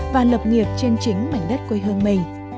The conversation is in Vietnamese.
và lập nghiệp trên chính mảnh đất quê hương mình